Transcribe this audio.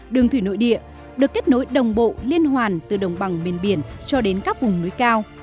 đường thủy nội địa được kết nối đồng bộ liên hoàn từ đồng bằng miền biển cho đến các vùng núi cao